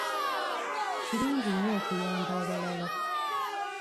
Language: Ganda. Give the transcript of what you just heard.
Kirungi nnyo okuyamba abalala.